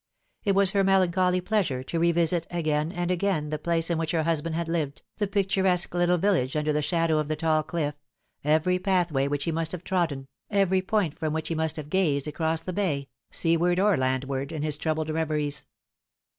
It was her melancholy pleasure to revisit again and again the place in which her husband had lived, the picturesque little village under the shadow of the tall cliff, every pathway which he must have trodden, every point from which he must have gazed across the bay, seaward or landward, in his troubled reveries.